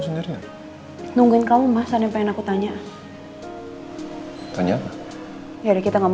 permisi selamat malam